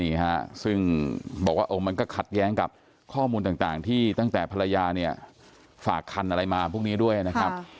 นี่ฮะซึ่งบอกว่ามันก็ขัดแย้งกับข้อมูลต่างที่ตั้งแต่ภรรยาเนี่ยฝากคันอะไรมาพวกนี้ด้วยนะครับ